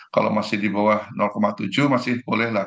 kalau masih di bawah tujuh masih boleh nggak